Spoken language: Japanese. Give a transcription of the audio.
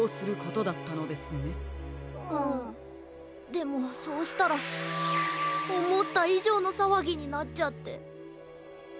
でもそうしたらおもったいじょうのさわぎになっちゃって。